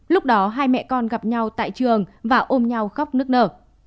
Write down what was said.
lúc đó hai mẹ con gặp nhau tại trường và ôm nhau khóc nước nở